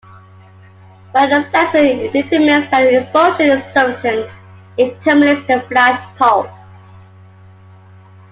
When the sensor determines that the exposure is sufficient, it terminates the flash pulse.